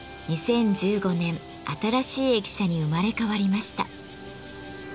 ２０１５年新しい駅舎に生まれ変わりました。